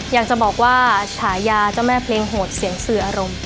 อยากจะบอกว่าฉายาเจ้าแม่เพลงโหดเสียงสื่ออารมณ์